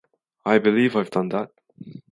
I believe I’ve done that.